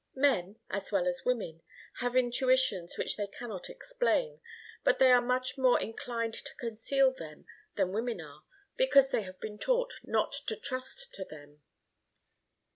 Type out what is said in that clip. Men, as well as women, have intuitions which they cannot explain, but they are much more inclined to conceal them than women are, because they have been taught not to trust to them.